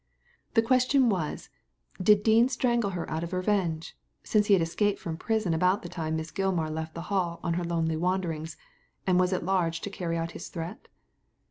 The question was— did Dean strangle her out of revenge, since he had escaped from prison about the time Miss Gilmar left the Hall on her lonely wanderings, and was at large to carry out his threat